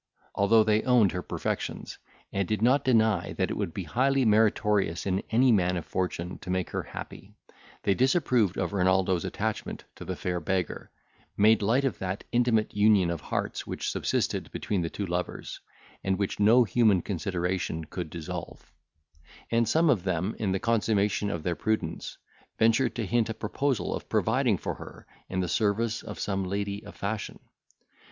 Although they owned her perfections, and did not deny that it would be highly meritorious in any man of fortune to make her happy, they disapproved of Renaldo's attachment to the fair beggar, made light of that intimate union of hearts which subsisted between the two lovers, and which no human consideration could dissolve; and some among them, in the consummation of their prudence, ventured to hint a proposal of providing for her in the service of some lady of fashion.